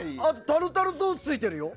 タルタルソースついてるよ。